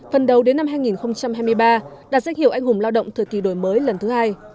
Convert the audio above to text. phần đầu đến năm hai nghìn hai mươi ba đạt danh hiệu anh hùng lao động thời kỳ đổi mới lần thứ hai